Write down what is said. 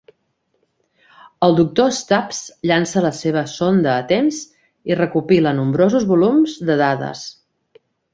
El doctor Stubbs llança la seva sonda a temps i recopila nombrosos volums de dades.